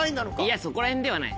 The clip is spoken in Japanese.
いやそこら辺ではない。